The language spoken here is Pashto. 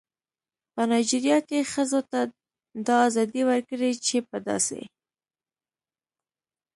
په نایجیریا کې ښځو ته دا ازادي ورکړې چې په داسې